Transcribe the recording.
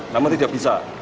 namun tidak bisa